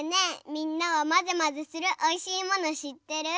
みんなはまぜまぜするおいしいものしってる？